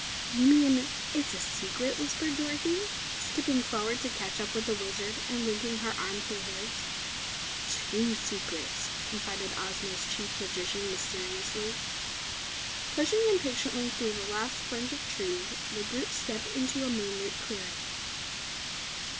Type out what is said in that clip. "You mean it's a secret?" whispered Dorothy, skipping forward to catch up with the Wizard and linking her arm through his. "Two secrets!" confided Ozma's Chief Magician mysteriously. Pushing impatiently through the last fringe of trees, the group stepped into a moonlit clearing.